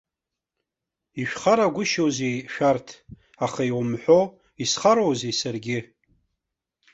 Ишәхарагәышьоузеи шәарҭ, аха, иумҳәо, исхароузеи саргьы?!